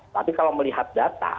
tapi kalau melihat data